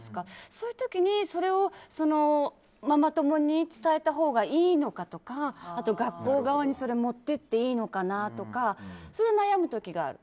そういう時に、それをママ友に伝えたほうがいいのかとか学校側に持って行っていいのかなとかそれで悩む時はある。